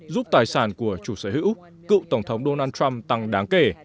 giúp tài sản của chủ sở hữu cựu tổng thống donald trump tăng đáng kể